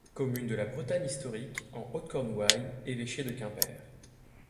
Commune de la Bretagne historique, en Haute Cornouaille, évêché de Quimper.